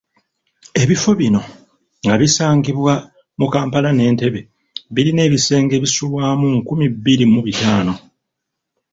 Ebifo bino nga bisangibwa mu Kampala ne Ntebbe birina ebisenge ebisulwamu nkumi bbiri mu bitaano.